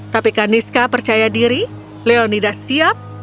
tapi kaniska percaya diri leonida siap